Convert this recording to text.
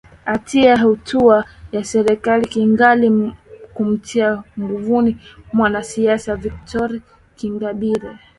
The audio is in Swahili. atia hatua ya serikali ya kigali kumtia nguvuni mwanasiasa victor ingabire